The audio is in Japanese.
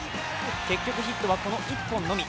結局、ヒットはこの１本のみ。